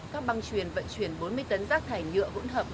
các băng truyền vận chuyển bốn mươi tấn rác thải nhựa